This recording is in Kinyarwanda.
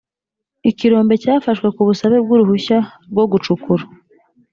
ikirombe cyafashwe ku busabe bw uruhushya rwo gucukura